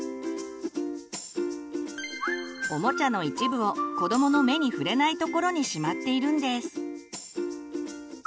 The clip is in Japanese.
おもちゃの一部を子どもの目に触れないところにしまっているんです。